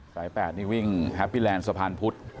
สาย๘นี่วิ่งแฮปปี้แลนด์สะพานพุธ